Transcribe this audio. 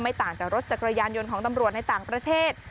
ต่างจากรถจักรยานยนต์ของตำรวจในต่างประเทศ